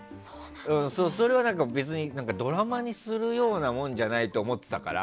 それは別にドラマにするようなもんじゃないと思ってたから。